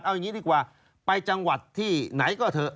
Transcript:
เอาอย่างนี้ดีกว่าไปจังหวัดที่ไหนก็เถอะ